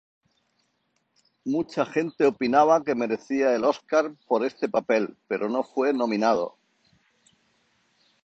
Mucha gente opinaba que merecía el Oscar por este papel, pero no fue nominado.